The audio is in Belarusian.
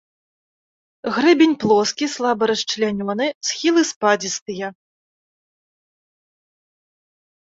Грэбень плоскі, слаба расчлянёны, схілы спадзістыя.